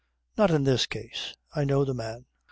"Not in this case. I know the man."